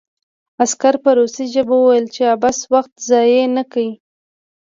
عسکر په روسي ژبه وویل چې عبث وخت ضایع نه کړي